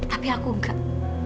tapi aku nggak